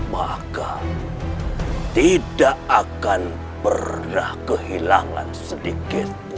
maka tidak akan pernah kehilangan sedikit